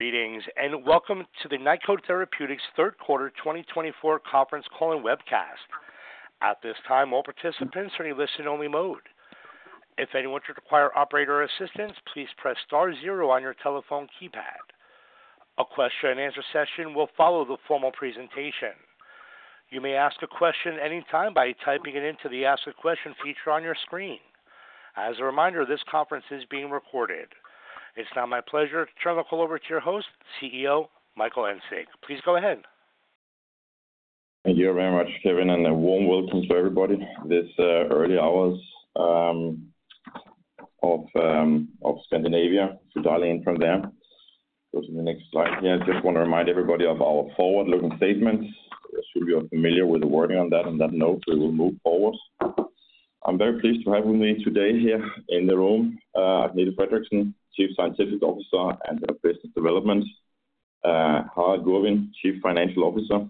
Greetings and welcome to the Nykode Therapeutics third quarter 2024 conference call and webcast. At this time, all participants are in a listen-only mode. If anyone should require operator assistance, please press star zero on your telephone keypad. A question-and-answer session will follow the formal presentation. You may ask a question at any time by typing it into the Ask a Question feature on your screen. As a reminder, this conference is being recorded. It's now my pleasure to turn the call over to your host, CEO Michael Engsig. Please go ahead. Thank you very much, Kevin, and a warm welcome to everybody at this early hour of Scandinavia. If you're dialing in from there, go to the next slide. Yeah, I just want to remind everybody of our forward-looking statements. I assume you're familiar with the wording on that, and that noted we will move forward. I'm very pleased to have with me today here in the room, Agnete Fredriksen, Chief Scientific Officer and Business Development, Harald Gurvin, Chief Financial Officer.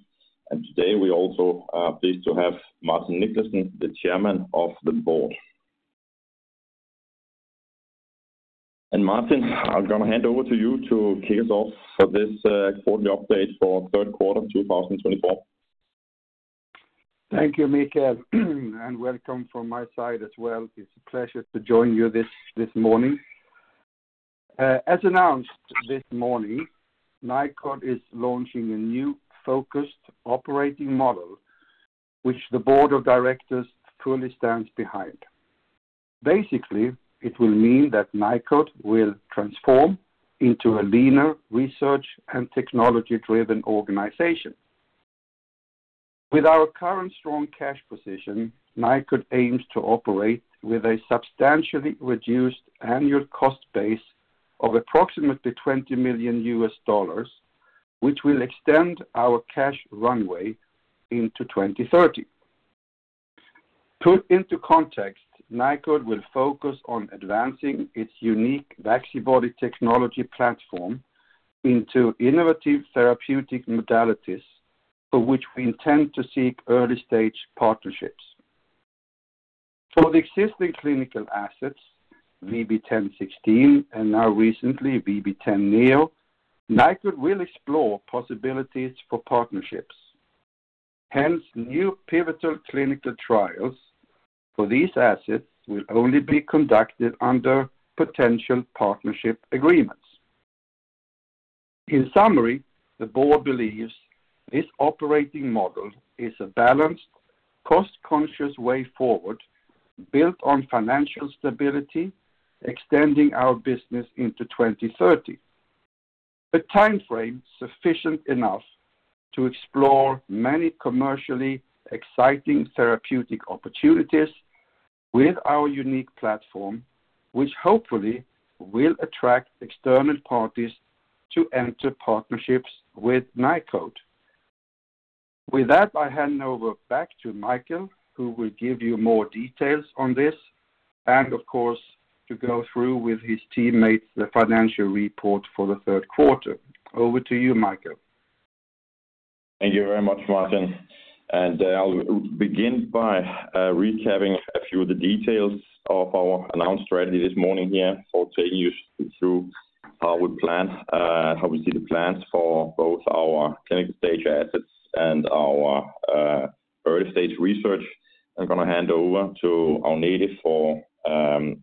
And today we're also pleased to have Martin Nicklasson, the Chairman of the Board. And Martin, I'm gonna hand over to you to kick us off for this quarterly update for third quarter 2024. Thank you, Michael, and welcome from my side as well. It's a pleasure to join you this morning. As announced this morning, Nykode is launching a new focused operating model, which the Board of Directors fully stands behind. Basically, it will mean that Nykode will transform into a leaner, research and technology-driven organization. With our current strong cash position, Nykode aims to operate with a substantially reduced annual cost base of approximately $20 million, which will extend our cash runway into 2030. Put into context, Nykode will focus on advancing its unique Vaccibody technology platform into innovative therapeutic modalities, for which we intend to seek early-stage partnerships. For the existing clinical assets, VB10.16 and now recently VB10.NEO, Nykode will explore possibilities for partnerships. Hence, new pivotal clinical trials for these assets will only be conducted under potential partnership agreements. In summary, the Board believes this operating model is a balanced, cost-conscious way forward built on financial stability, extending our business into 2030, a timeframe sufficient enough to explore many commercially exciting therapeutic opportunities with our unique platform, which hopefully will attract external parties to enter partnerships with Nykode. With that, I hand over back to Michael, who will give you more details on this, and of course, to go through with his teammates the financial report for the third quarter. Over to you, Michael. Thank you very much, Martin. And, I'll begin by recapping a few of the details of our announced strategy this morning here for taking you through how we plan, how we see the plans for both our clinical stage assets and our early-stage research. I'm gonna hand over to Agnete for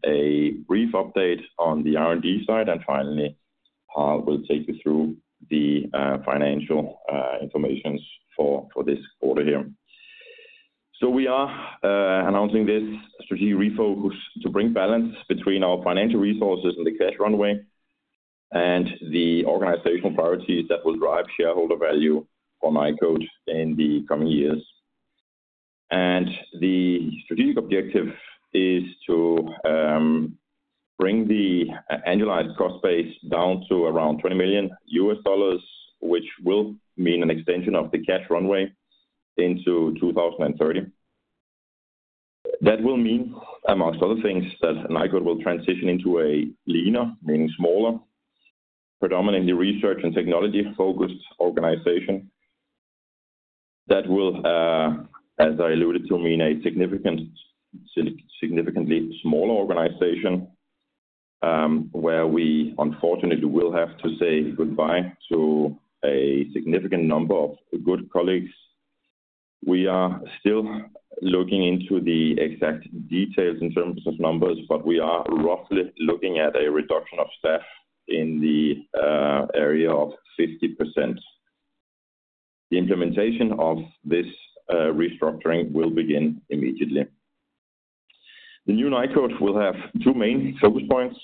a brief update on the R&D side, and finally, Harald will take you through the financial information for this quarter here. So we are announcing this strategic refocus to bring balance between our financial resources and the cash runway and the organizational priorities that will drive shareholder value for Nykode in the coming years. And the strategic objective is to bring the annualized cost base down to around $20 million, which will mean an extension of the cash runway into 2030. That will mean, among other things, that Nykode will transition into a leaner, meaning smaller, predominantly research and technology-focused organization. That will, as I alluded to, mean a significantly smaller organization, where we unfortunately will have to say goodbye to a significant number of good colleagues. We are still looking into the exact details in terms of numbers, but we are roughly looking at a reduction of staff in the area of 50%. The implementation of this restructuring will begin immediately. The new Nykode will have two main focus points.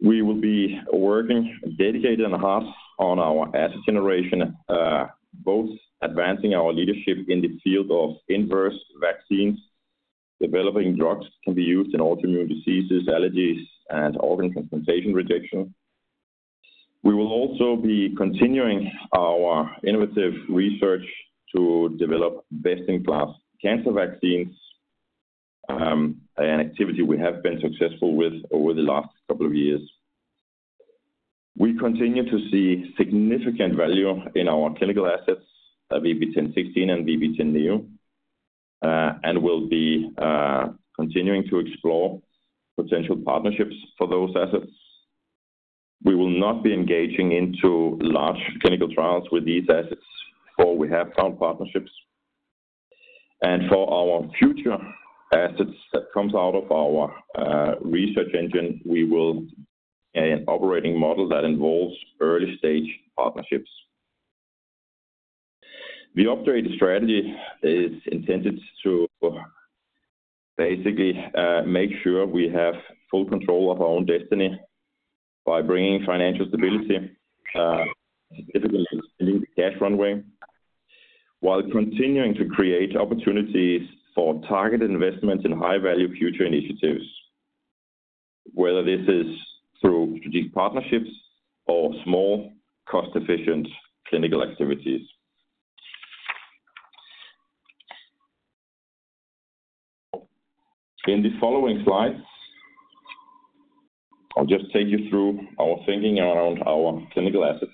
We will be working dedicated and hard on our asset generation, both advancing our leadership in the field of inverse vaccines, developing drugs that can be used in autoimmune diseases, allergies, and organ transplantation rejection. We will also be continuing our innovative research to develop best-in-class cancer vaccines, an activity we have been successful with over the last couple of years. We continue to see significant value in our clinical assets, VB10.16 and VB10.NEO, and will be continuing to explore potential partnerships for those assets. We will not be engaging into large clinical trials with these assets for we have found partnerships, and for our future assets that come out of our research engine, we will be an operating model that involves early-stage partnerships. The updated strategy is intended to basically make sure we have full control of our own destiny by bringing financial stability, significantly extending the cash runway, while continuing to create opportunities for targeted investments in high-value future initiatives, whether this is through strategic partnerships or small, cost-efficient clinical activities. In the following slides, I'll just take you through our thinking around our clinical assets.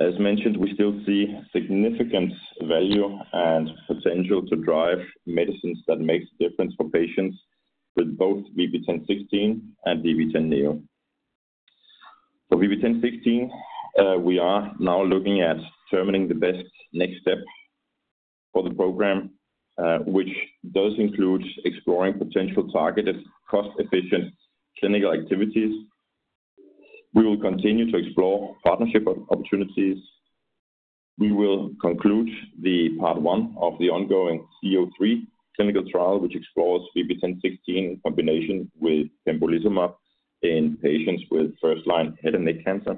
As mentioned, we still see significant value and potential to drive medicines that make a difference for patients with both VB10.16 and VB10.NEO. For VB10.16, we are now looking at determining the best next step for the program, which does include exploring potential targeted, cost-efficient clinical activities. We will continue to explore partnership opportunities. We will conclude the part one of the ongoing C-03 clinical trial, which explores VB10.16 in combination with pembrolizumab in patients with first-line head and neck cancer.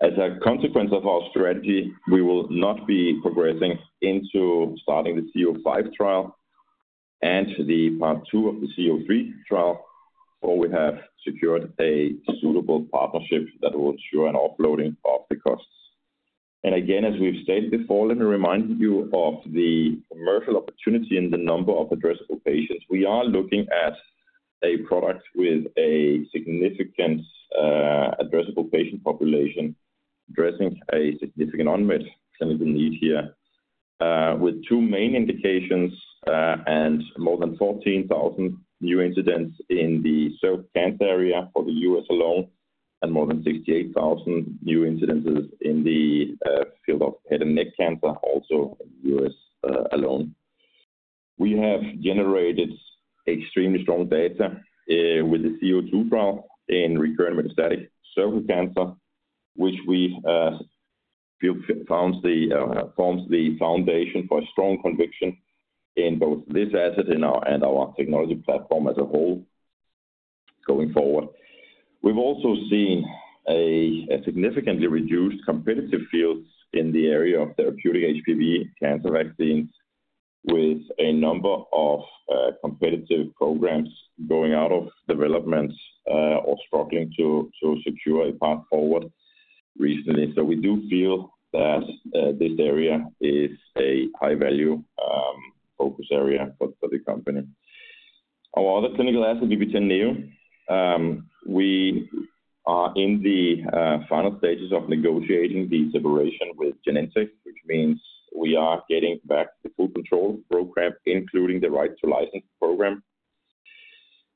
As a consequence of our strategy, we will not be progressing into starting the C-05 trial and the part two of the C-03 trial before we have secured a suitable partnership that will ensure an offloading of the costs. Again, as we've stated before, let me remind you of the commercial opportunity in the number of addressable patients. We are looking at a product with a significant, addressable patient population, addressing a significant unmet clinical need here, with two main indications, and more than 14,000 new incidences in the cervical cancer area for the U.S. alone, and more than 68,000 new incidences in the field of head and neck cancer, also in the U.S., alone. We have generated extremely strong data, with the C-02 trial in recurrent metastatic cervical cancer, which we found forms the foundation for strong conviction in both this asset and our technology platform as a whole going forward. We've also seen a significantly reduced competitive field in the area of therapeutic HPV cancer vaccines, with a number of competitive programs going out of development, or struggling to secure a path forward recently. So we do feel that this area is a high-value focus area for the company. Our other clinical asset, VB10.NEO, we are in the final stages of negotiating the separation with Genentech, which means we are getting back the full control of program, including the right to license program.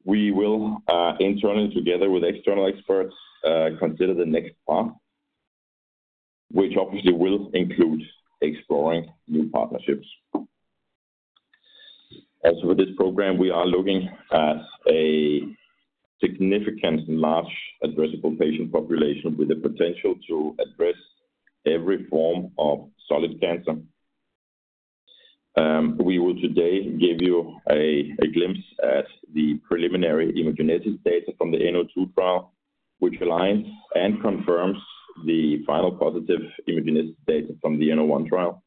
We will internally, together with external experts, consider the next path, which obviously will include exploring new partnerships. Also, for this program, we are looking at a significant and large addressable patient population with the potential to address every form of solid cancer. We will today give you a glimpse at the preliminary immunogenicity data from the N-02 trial, which aligns and confirms the final positive immunogenicity data from the N-01 trial.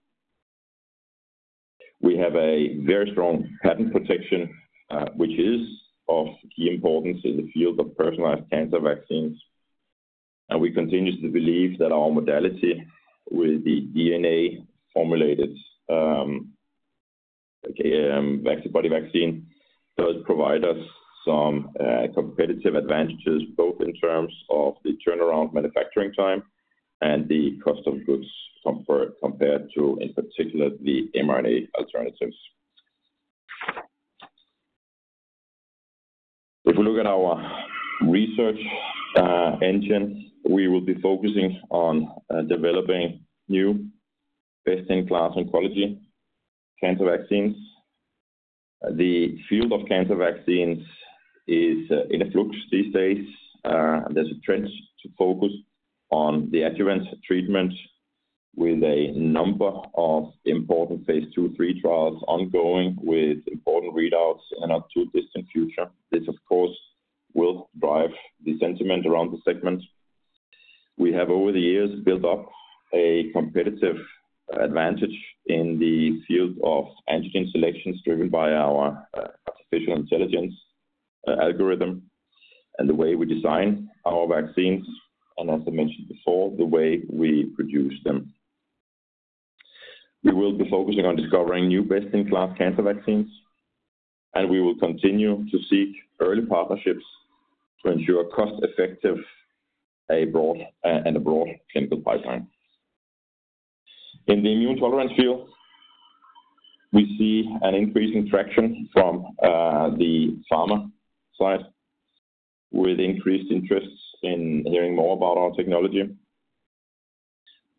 We have a very strong patent protection, which is of key importance in the field of personalized cancer vaccines. We continue to believe that our modality with the DNA-formulated, Vaccibody vaccine does provide us some competitive advantages, both in terms of the turnaround manufacturing time and the cost of goods compared to, in particular, the mRNA alternatives. If we look at our research engine, we will be focusing on developing new best-in-class oncology cancer vaccines. The field of cancer vaccines is in flux these days. There’s a trend to focus on the adjuvant treatment with a number of important phase two, three trials ongoing with important readouts in the not-too-distant future. This, of course, will drive the sentiment around the segment. We have, over the years, built up a competitive advantage in the field of antigen selections driven by our artificial intelligence algorithm and the way we design our vaccines, and, as I mentioned before, the way we produce them. We will be focusing on discovering new best-in-class cancer vaccines, and we will continue to seek early partnerships to ensure cost-effective and broad clinical pipeline. In the immune tolerance field, we see an increasing traction from the pharma side with increased interest in hearing more about our technology.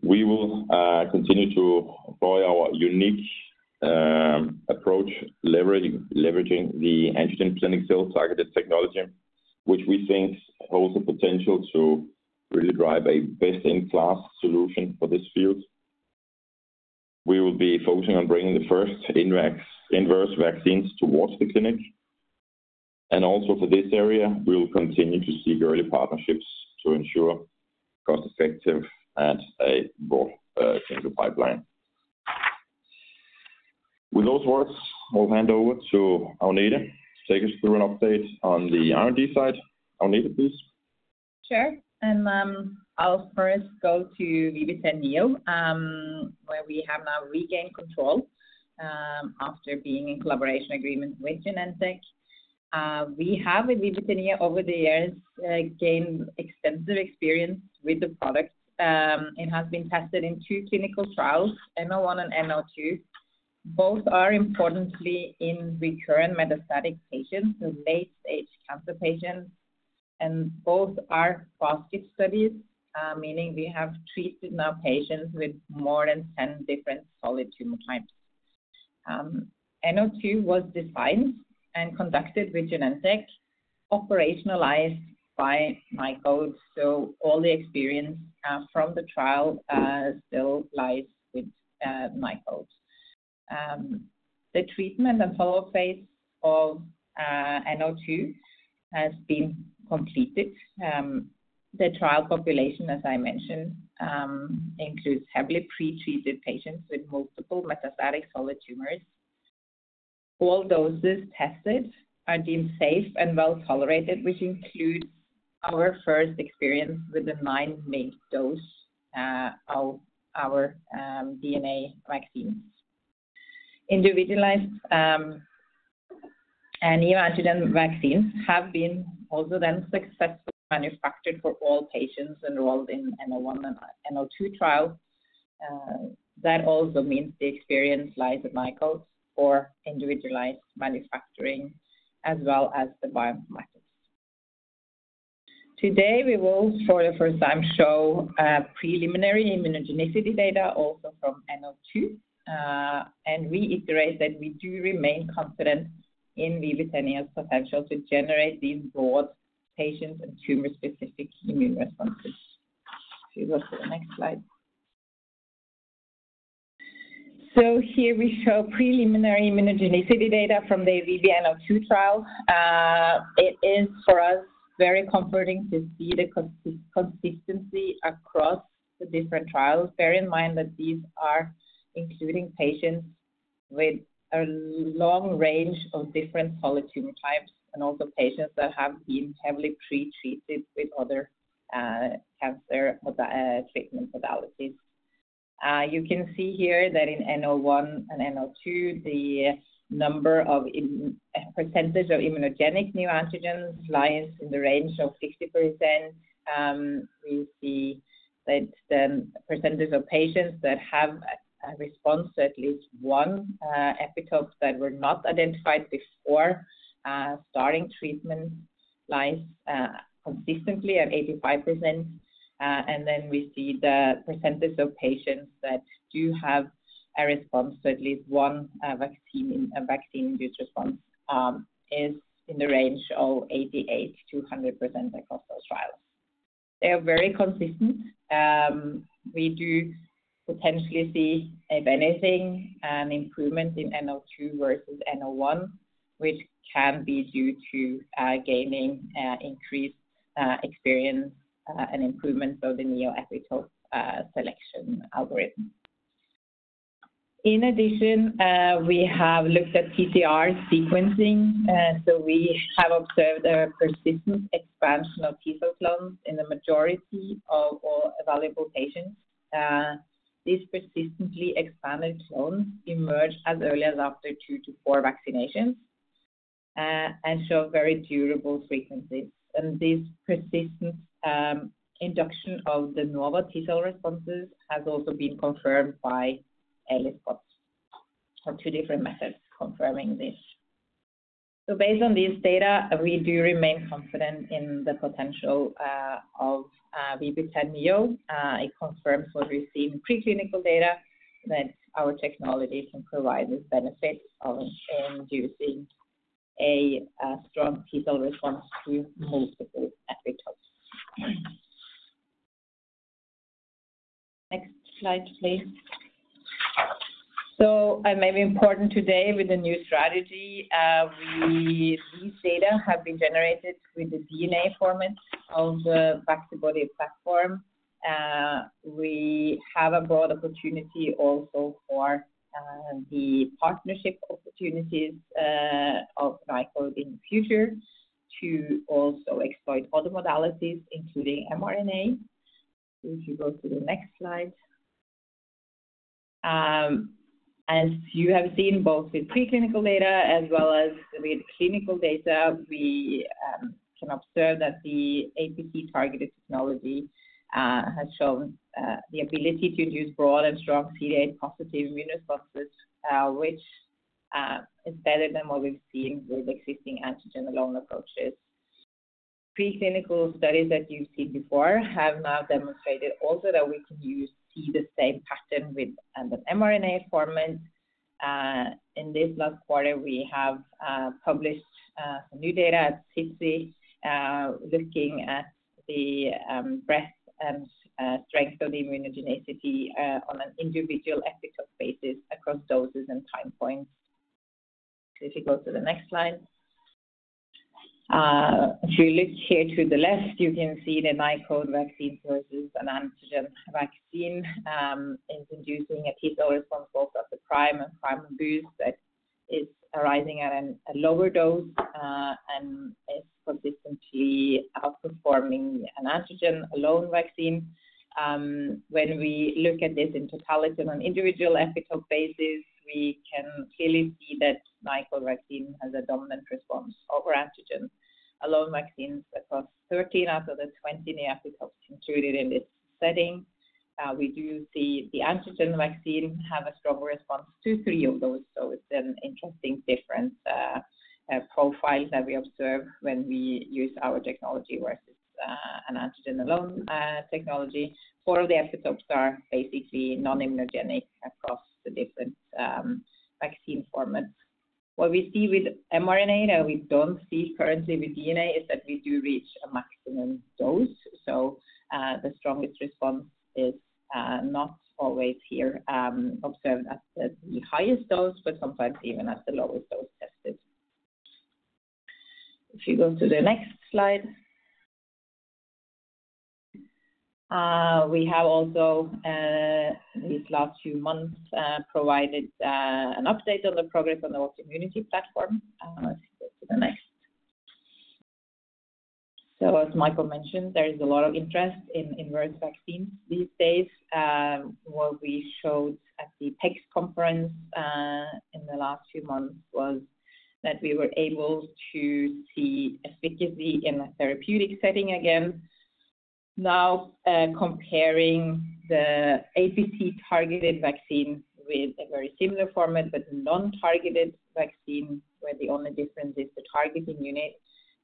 We will continue to employ our unique approach, leveraging the APC targeted technology, which we think holds the potential to really drive a best-in-class solution for this field. We will be focusing on bringing the first inverse vaccines towards the clinic, and also, for this area, we will continue to seek early partnerships to ensure cost-effective and broad clinical pipeline. With those words, I'll hand over to Agnete to take us through an update on the R&D side. Agnete, please. Sure, and I'll first go to VB10.NEO, where we have now regained control after being in collaboration agreement with Genentech. We have with VB10.NEO over the years gained extensive experience with the product. It has been tested in two clinical trials, N-01 and N-02. Both are importantly in recurrent metastatic patients, late-stage cancer patients, and both are positive studies, meaning we have treated now patients with more than 10 different solid tumor types. N-02 was designed and conducted with Genentech, operationalized by Nykode, so all the experience from the trial still lies with Nykode. The treatment and follow-up phase of N-02 has been completed. The trial population, as I mentioned, includes heavily pretreated patients with multiple metastatic solid tumors. All doses tested are deemed safe and well tolerated, which includes our first experience with the 90-minute dose of our DNA vaccines. Individualized and neoantigen vaccines have been also then successfully manufactured for all patients enrolled in N-01 and N-02 trials. That also means the experience lies at Nykode for individualized manufacturing, as well as the biomarkers. Today, we will, for the first time, show preliminary immunogenicity data also from N-02, and reiterate that we do remain confident in VB10.NEO's potential to generate these broad patient and tumor-specific immune responses. Please go to the next slide. So here we show preliminary immunogenicity data from the N-02 trial. It is, for us, very comforting to see the consistency across the different trials. Bear in mind that these are including patients with a long range of different solid tumor types and also patients that have been heavily pretreated with other cancer treatment modalities. You can see here that in N-01 and N-02, the percentage of immunogenic neoantigens lies in the range of 50%. We see that the percentage of patients that have a response to at least one epitope that were not identified before starting treatment lies consistently at 85%. And then we see the percentage of patients that do have a response to at least one vaccine-induced response is in the range of 88%-100% across those trials. They are very consistent. We do potentially see, if anything, an improvement in N-02 versus N-01, which can be due to gaining increased experience and improvements of the neoepitope selection algorithm. In addition, we have looked at TCR sequencing, so we have observed a persistent expansion of T cell clones in the majority of all available patients. These persistently expanded clones emerge as early as after two to four vaccinations, and show very durable frequencies. And this persistent induction of the neo T cell responses has also been confirmed by ELISpot or two different methods confirming this. So based on these data, we do remain confident in the potential of VB10.NEO. It confirms what we've seen in preclinical data that our technology can provide this benefit of inducing a strong T cell response to multiple epitopes. Next slide, please. So it may be important today with the new strategy. These data have been generated with the DNA format of the Vaccibody platform. We have a broad opportunity also for the partnership opportunities of Nykode in the future to also exploit other modalities, including mRNA. If you go to the next slide, as you have seen, both with preclinical data as well as with clinical data, we can observe that the APC targeted technology has shown the ability to induce broad and strong CD8+ immune responses, which is better than what we've seen with existing antigen-alone approaches. Preclinical studies that you've seen before have now demonstrated also that we can also see the same pattern with the mRNA format. In this last quarter, we have published some new data at SITC, looking at the breadth and strength of the immunogenicity on an individual epitope basis across doses and time points. If you go to the next slide, if you look here to the left, you can see the Nykode vaccine versus an antigen vaccine is inducing a T cell response both at the prime and prime boost that is arising at a lower dose, and is consistently outperforming an antigen-alone vaccine. When we look at this in totality on an individual epitope basis, we can clearly see that Nykode vaccine has a dominant response over antigen-alone vaccines across 13 out of the 20 neoepitopes included in this setting. We do see the antigen vaccine have a stronger response to three of those, so it's an interesting difference profile that we observe when we use our technology versus an antigen-alone technology. Four of the epitopes are basically non-immunogenic across the different vaccine formats. What we see with mRNA that we don't see currently with DNA is that we do reach a maximum dose. So, the strongest response is, not always here, observed at the highest dose, but sometimes even at the lowest dose tested. If you go to the next slide, we have also, these last few months, provided an update on the progress on the autoimmunity platform. If you go to the next. So, as Michael mentioned, there is a lot of interest in inverse vaccines these days. What we showed at the PEGS conference in the last few months was that we were able to see efficacy in a therapeutic setting again. Now, comparing the APC targeted vaccine with a very similar format but non-targeted vaccine, where the only difference is the target immunity,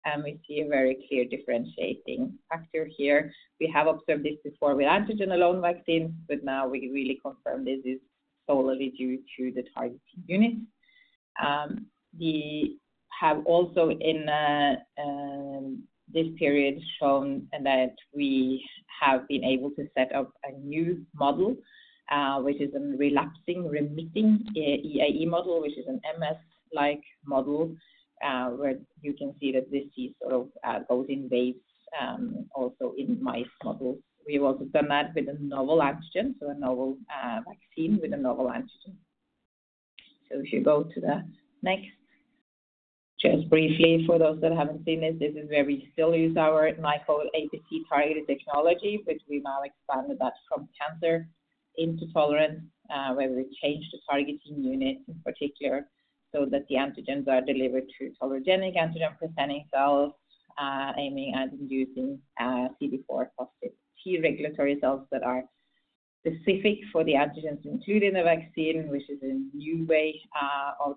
and we see a very clear differentiating factor here. We have observed this before with antigen-alone vaccines, but now we really confirm this is solely due to the target immunity. We have also in this period shown that we have been able to set up a new model, which is a relapsing-remitting EAE model, which is an MS-like model, where you can see that this sees sort of both in waves, also in mice models. We've also done that with a novel antigen, so a novel vaccine with a novel antigen. So if you go to the next, just briefly, for those that haven't seen this, this is where we still use our Nykode APC targeted technology, but we've now expanded that from cancer into tolerance, where we've changed the target immunity in particular so that the antigens are delivered to tolerogenic antigen-presenting cells, aiming at inducing CD4+ T regulatory cells that are specific for the antigens included in the vaccine, which is a new way of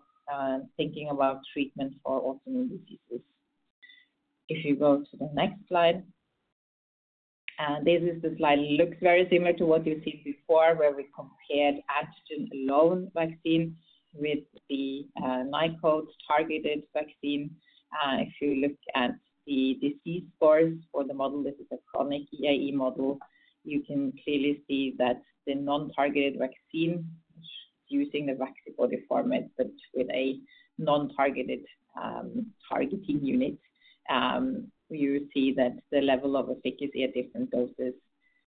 thinking about treatment for autoimmune diseases. If you go to the next slide, this is the slide that looks very similar to what you've seen before, where we compared antigen-alone vaccine with the Nykode targeted vaccine. If you look at the disease scores for the model, this is a chronic EAE model. You can clearly see that the non-targeted vaccine, which is using the Vaccibody format but with a non-targeted targeting unit, you see that the level of efficacy at different doses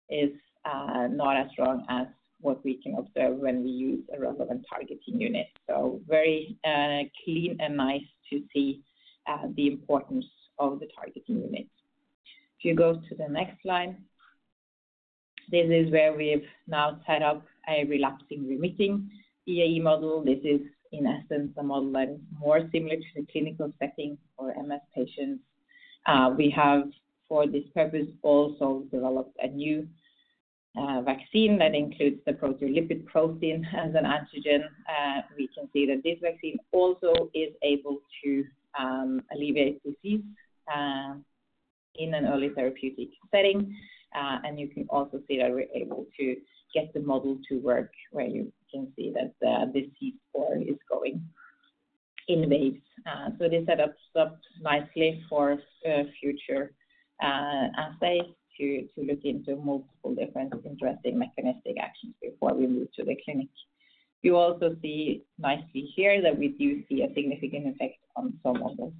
is not as strong as what we can observe when we use a relevant targeting unit. So very clean and nice to see the importance of the targeting unit. If you go to the next slide, this is where we've now set up a relapsing-remitting EAE model. This is, in essence, a model that is more similar to the clinical setting for MS patients. We have, for this purpose, also developed a new vaccine that includes the proteolipid protein as an antigen. We can see that this vaccine also is able to alleviate disease in an early therapeutic setting. And you can also see that we're able to get the model to work, where you can see that the disease score is going in waves. So this sets up nicely for future assays to look into multiple different interesting mechanistic actions before we move to the clinic. You also see nicely here that we do see a significant effect on some of those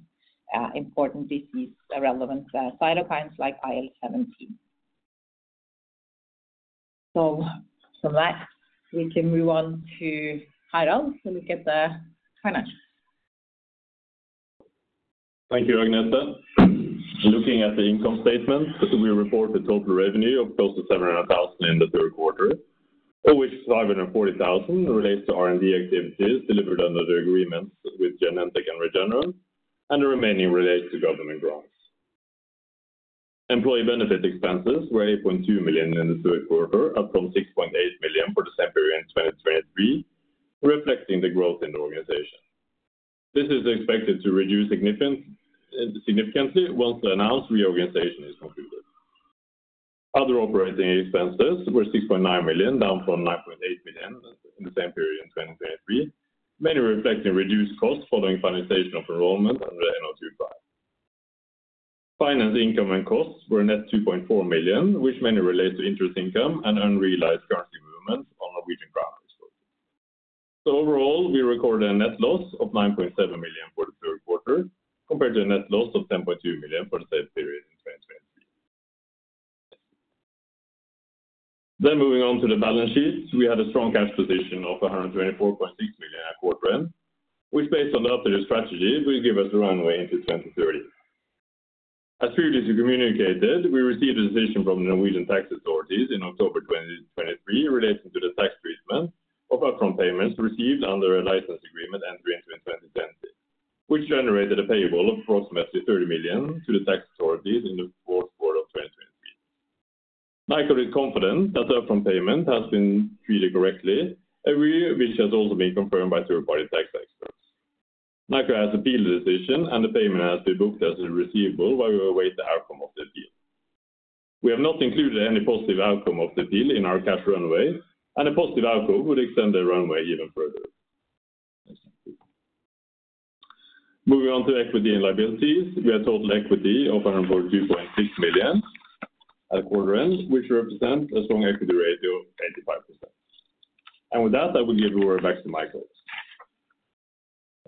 important disease-relevant cytokines like IL-17. So from that, we can move on to Harald to look at the financials. Thank you, Agnete. Looking at the income statement, we report total revenue of close to 700,000 in the third quarter, of which 540,000 relates to R&D activities delivered under the agreements with Genentech and Regeneron, and the remaining relates to government grants. Employee benefit expenses were 8.2 million in the third quarter, up from 6.8 million for September in 2023, reflecting the growth in the organization. This is expected to reduce significantly once the announced reorganization is completed. Other operating expenses were 6.9 million, down from 9.8 million in the same period in 2023, mainly reflecting reduced costs following finalization of enrollment under N-02 plan. Finance income and costs were net 2.4 million, which mainly relates to interest income and unrealized currency movements on Norwegian kroner resources. So overall, we recorded a net loss of 9.7 million for the third quarter compared to a net loss of 10.2 million for the same period in 2023. Then moving on to the balance sheet, we had a strong cash position of 124.6 million at quarter end, which, based on the updated strategy, will give us the runway into 2030. As previously communicated, we received a decision from the Norwegian tax authorities in October 2023 relating to the tax treatment of upfront payments received under a license agreement entering into in 2020, which generated a payable of approximately 30 million to the tax authorities in the fourth quarter of 2023. Nykode is confident that the upfront payment has been treated correctly, which has also been confirmed by third-party tax experts. Nykode has appealed the decision, and the payment has been booked as a receivable while we await the outcome of the appeal. We have not included any positive outcome of the appeal in our cash runway, and a positive outcome would extend the runway even further. Moving on to equity and liabilities, we had total equity of 142.6 million at quarter end, which represents a strong equity ratio of 85%. With that, I will give the word back to Michael.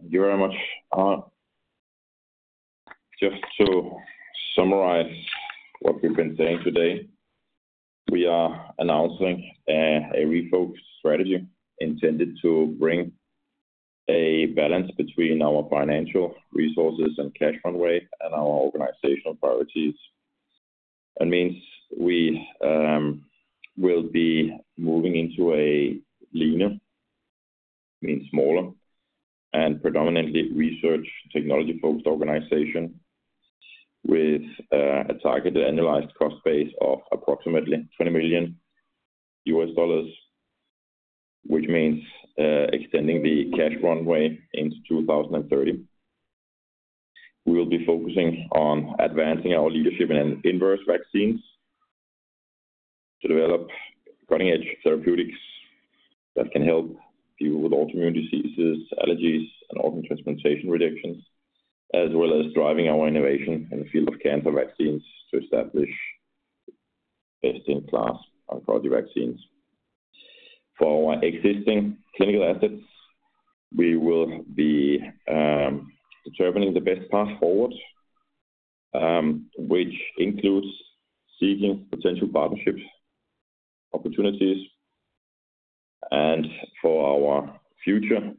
Thank you very much. Just to summarize what we've been saying today, we are announcing a refocus strategy intended to bring a balance between our financial resources and cash runway and our organizational priorities. That means we will be moving into a leaner, meaner, smaller, and predominantly research- and technology-focused organization with a targeted annualized cost base of approximately $20 million, which means extending the cash runway into 2030. We'll be focusing on advancing our leadership in inverse vaccines to develop cutting-edge therapeutics that can help people with autoimmune diseases, allergies, and organ transplantation rejections, as well as driving our innovation in the field of cancer vaccines to establish best-in-class antibody vaccines. For our existing clinical assets, we will be determining the best path forward, which includes seeking potential partnership opportunities. And for our future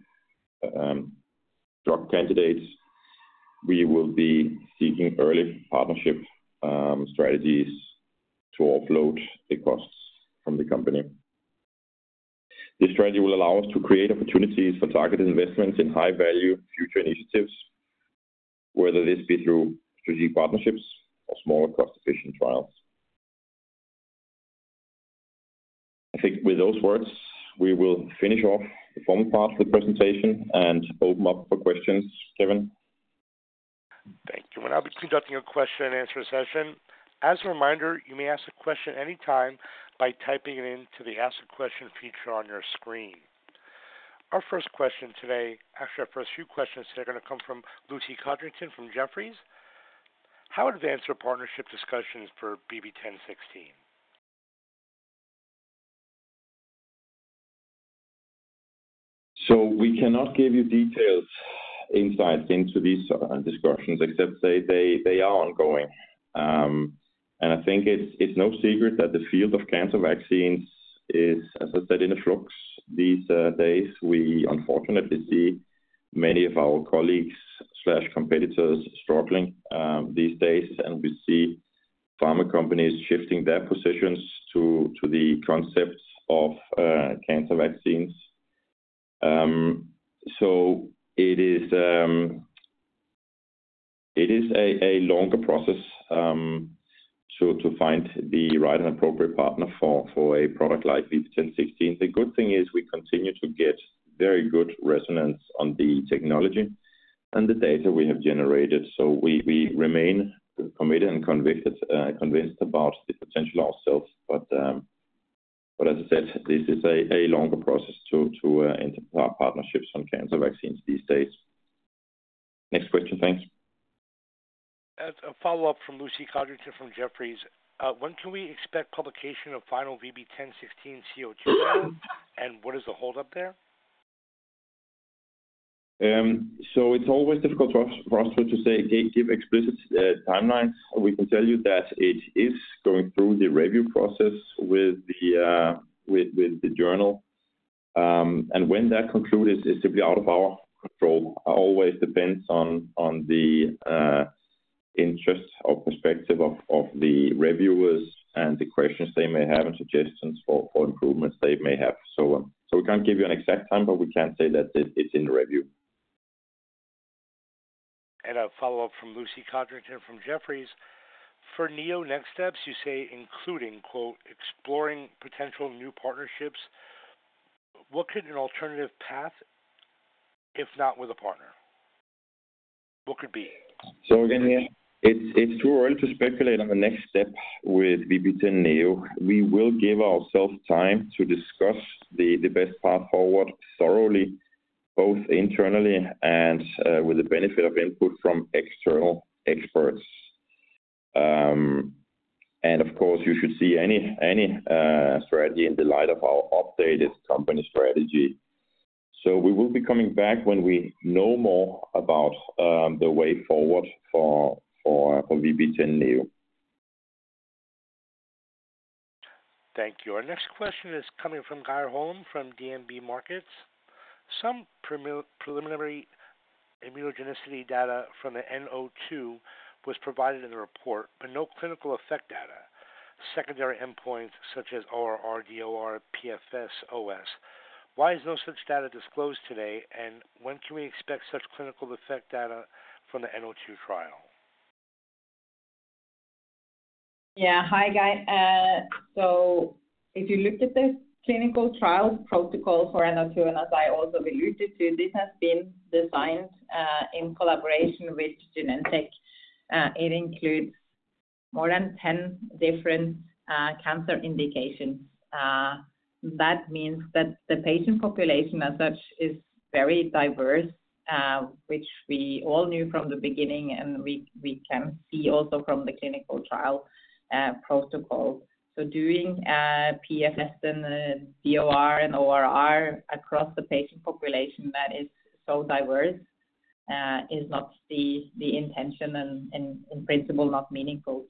drug candidates, we will be seeking early partnership strategies to offload the costs from the company. This strategy will allow us to create opportunities for targeted investments in high-value future initiatives, whether this be through strategic partnerships or smaller cost-efficient trials. I think with those words, we will finish off the formal part of the presentation and open up for questions, Kevin. Thank you. And I'll be conducting a question-and-answer session. As a reminder, you may ask a question anytime by typing it into the Ask a Question feature on your screen. Our first question today, actually our first few questions today, are going to come from Lucy Codrington from Jefferies. How advanced are partnership discussions for VB10.16? So we cannot give you detailed insights into these discussions except to say they are ongoing. And I think it's no secret that the field of cancer vaccines is, as I said, in the flux these days. We unfortunately see many of our colleagues/competitors struggling these days, and we see pharma companies shifting their positions to the concept of cancer vaccines. So it is a longer process to find the right and appropriate partner for a product like VB10.16. The good thing is we continue to get very good resonance on the technology and the data we have generated. So we remain committed and convinced about the potential ourselves. But as I said, this is a longer process to enter partnerships on cancer vaccines these days. Next question, thanks. That's a follow-up from Lucy Codrington from Jefferies. When can we expect publication of final VB10.16 C-02 manuscript, and what is the hold-up there? So it's always difficult for us to say, give explicit timelines. We can tell you that it is going through the review process with the journal. And when that concludes is simply out of our control. It always depends on the interest or perspective of the reviewers and the questions they may have and suggestions for improvements they may have. So we can't give you an exact time, but we can say that it's in the review. And a follow-up from Lucy Codrington from Jefferies. For NEO Next Steps, you say including, quote, exploring potential new partnerships. What could an alternative path, if not with a partner, what could be? So again, yeah, it's too early to speculate on the next step with VB10.NEO. We will give ourselves time to discuss the best path forward thoroughly, both internally and with the benefit of input from external experts. And of course, you should see any strategy in the light of our updated company strategy. So we will be coming back when we know more about the way forward for VB10.NEO. Thank you. Our next question is coming from Geir Hiller Holom from DNB Markets. Some preliminary immunogenicity data from the N-02 was provided in the report, but no clinical effect data, secondary endpoints such as ORR, DOR, PFS, OS. Why is no such data disclosed today, and when can we expect such clinical effect data from the N-02 trial? Yeah. Hi, Geir. So if you look at the clinical trial protocol for N-02, and as I also alluded to, this has been designed in collaboration with Genentech. It includes more than 10 different cancer indications. That means that the patient population as such is very diverse, which we all knew from the beginning, and we can see also from the clinical trial protocol. So doing PFS and DOR and ORR across the patient population that is so diverse is not the intention and, in principle, not meaningful.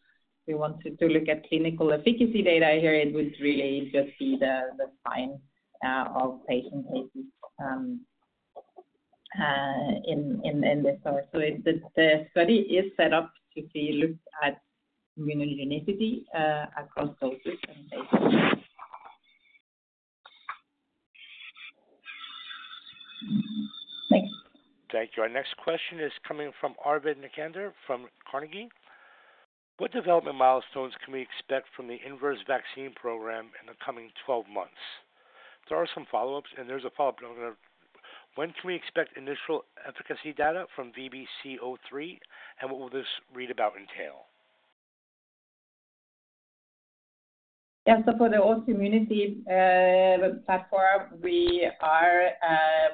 We want to look at clinical efficacy data here. It would really just be the sign of patient cases in this source. So the study is set up to look at immunogenicity across doses and patients. Thanks. Thank you. Our next question is coming from Arvid Necander from Carnegie. What development milestones can we expect from the inverse vaccine program in the coming 12 months? There are some follow-ups, and there's a follow-up that I'm going to. When can we expect initial efficacy data from VB-C-03, and what will this readout entail? Yeah. So for the inverse vaccine platform, we are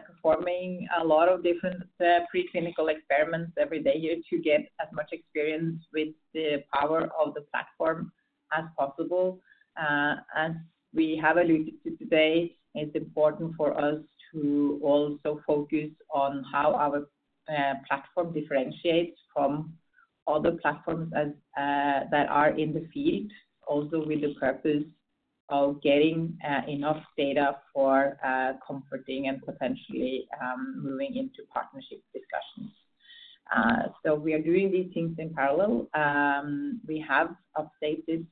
performing a lot of different preclinical experiments every day here to get as much experience with the power of the platform as possible. As we have alluded to today, it's important for us to also focus on how our platform differentiates from other platforms that are in the field, also with the purpose of getting enough data for confirming and potentially moving into partnership discussions. So we are doing these things in parallel. We have updated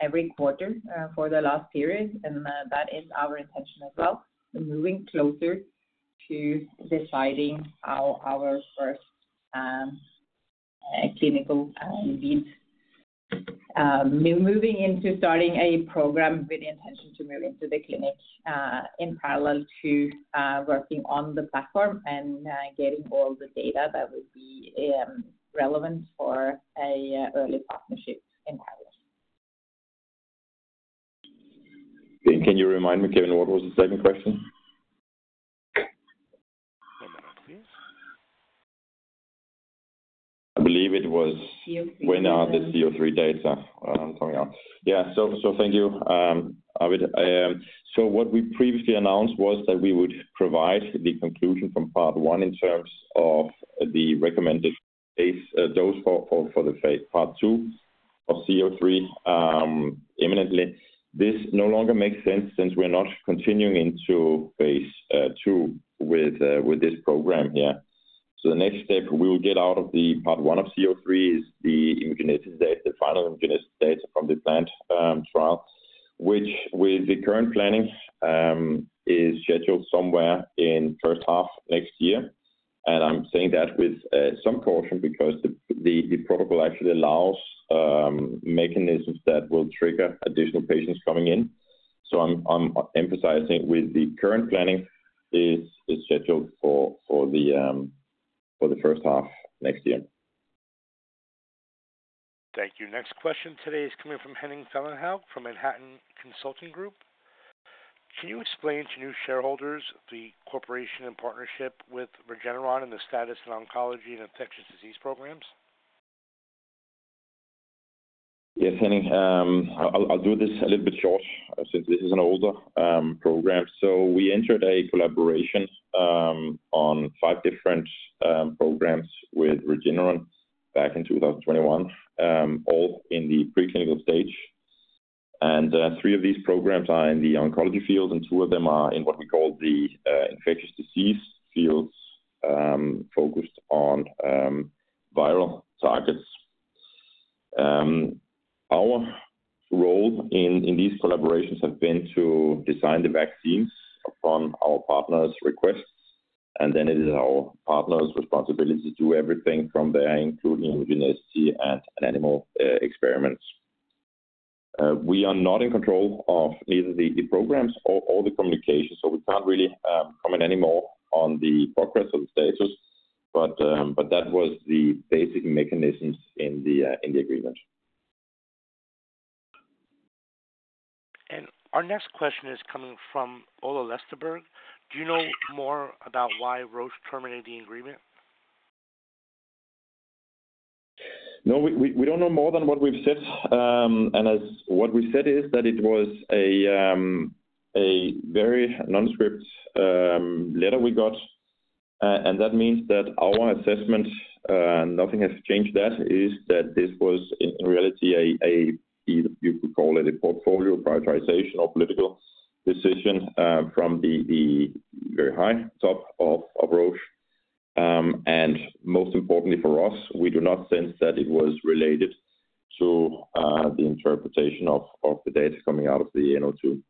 every quarter for the last period, and that is our intention as well. We're moving closer to deciding how our first clinical leads moving into starting a program with the intention to move into the clinic, in parallel to working on the platform and getting all the data that would be relevant for an early partnership in parallel. Can you remind me, Kevin, what was the second question? I believe it was when are the C-03 data coming out? Yeah. So thank you. I would, so what we previously announced was that we would provide the conclusion from part one in terms of the recommended dose for the phase part two of C-03, imminently. This no longer makes sense since we're not continuing into phase two with this program here. So the next step we will get out of the part one of C-03 is the immunogenicity, the final immunogenicity data from the planned trial, which with the current planning, is scheduled somewhere in the first half next year. And I'm saying that with some caution because the protocol actually allows mechanisms that will trigger additional patients coming in. So I'm emphasizing with the current planning is scheduled for the first half next year. Thank you. Next question today is coming from Henning Fellinghaug from Manhattan Consulting Group. Can you explain to new shareholders the collaboration and partnership with Regeneron and the status in oncology and infectious disease programs? Yes, Henning, I'll do this a little bit short since this is an older program. So we entered a collaboration on five different programs with Regeneron back in 2021, all in the preclinical stage. And three of these programs are in the oncology field, and two of them are in what we call the infectious disease fields, focused on viral targets. Our role in these collaborations has been to design the vaccines upon our partners' requests, and then it is our partners' responsibility to do everything from there, including immunogenicity and animal experiments. We are not in control of either the programs or the communication, so we can't really comment anymore on the progress of the status. But that was the basic mechanisms in the agreement. Our next question is coming from Ola Lesteberg. Do you know more about why Roche terminated the agreement? No, we don't know more than what we've said. And what we said is that it was a very nondescript letter we got. And that means that our assessment, nothing has changed that, is that this was in reality a you could call it a portfolio prioritization or political decision from the very high top of Roche. And most importantly for us, we do not sense that it was related to the interpretation of the data coming out of the N-02.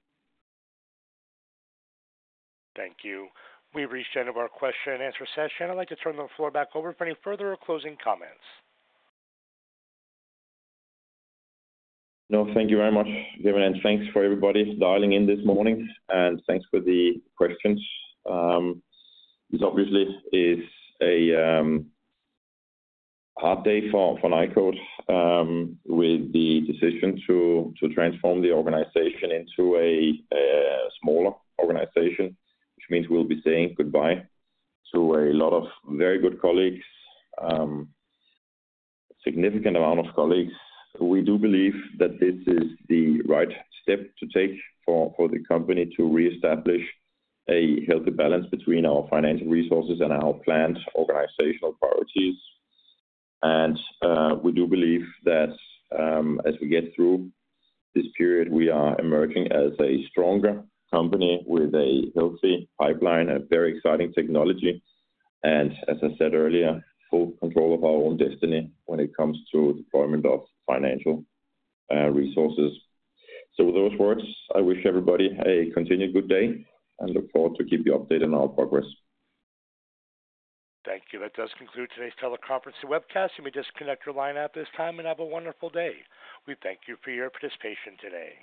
Thank you. We reached the end of our question-and-answer session. I'd like to turn the floor back over for any further or closing comments. No, thank you very much, Kevin, and thanks for everybody dialing in this morning, and thanks for the questions. This obviously is a hard day for Nykode, with the decision to transform the organization into a smaller organization, which means we'll be saying goodbye to a lot of very good colleagues, significant amount of colleagues. We do believe that this is the right step to take for the company to reestablish a healthy balance between our financial resources and our planned organizational priorities. And we do believe that, as we get through this period, we are emerging as a stronger company with a healthy pipeline, a very exciting technology, and, as I said earlier, full control of our own destiny when it comes to the deployment of financial resources. With those words, I wish everybody a continued good day and look forward to keep you updated on our progress. Thank you. That does conclude today's teleconference and webcast. You may disconnect your line at this time and have a wonderful day. We thank you for your participation today.